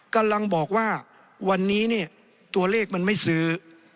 กำลังบอกว่าวันนี้ตัวเลขมันไม่สือ